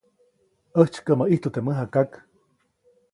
ʼÄjtsykäʼmäʼ ʼijtu teʼ mäjakak.